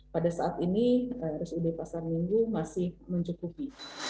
pada saat ini rsud pasar minggu masih mencukupi